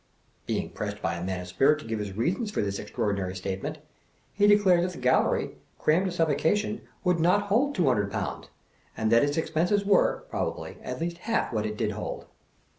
Being pressed by a man of spirit to give his reasons for this extraordinary statement, he declared that the Gallery, crammed to suffo cation, would not hold two hundred pounds, and that its expenses were, probably, at least half what it did hold.